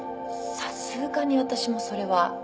さすがに私もそれは」